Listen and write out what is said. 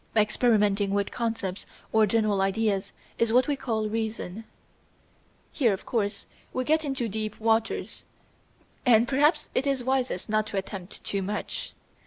Experimenting with concepts or general ideas is what we call Reason. Here, of course, we get into deep waters, and perhaps it is wisest not to attempt too much.